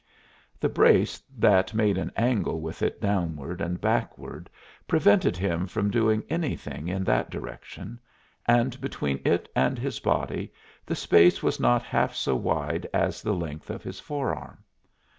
The brace that made an angle with it downward and backward prevented him from doing anything in that direction, and between it and his body the space was not half so wide as the length of his forearm.